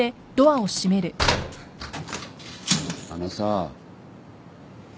あのさ。